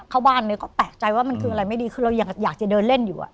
เข้าบ้านเนี่ยก็แปลกใจว่ามันคืออะไรไม่ดีคือเราอยากจะเดินเล่นอยู่